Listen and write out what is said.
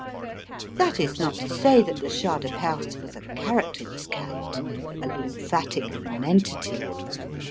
This is not to say that the Shah de Perse was a characterless cat, a lymphatic nonentity.